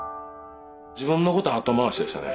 自分のこと後回しでしたね。